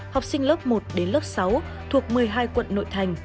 học sinh lớp một đến lớp sáu thuộc một mươi hai quận nội thành